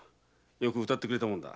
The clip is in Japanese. よく歌ってくれたもんだ。